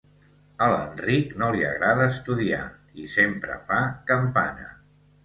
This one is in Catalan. A l'Enric no li agrada estudiar i sempre fa campana: